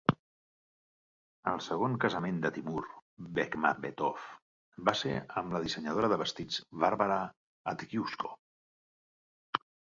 El segon casament de Timur Bekmambetov va ser amb la dissenyadora de vestits Varvara Avdyushko.